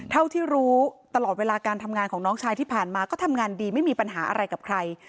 เท่าที่รู้ตลอดเวลาการทำงานของน้องชายที่ผ่านมาก็ทำงานดีไม่มีปัญหาอะไรกับใคร